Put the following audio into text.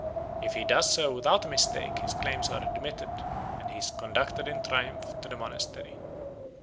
If he does so without a mistake his claims are admitted, and he is conducted in triumph to the monastery.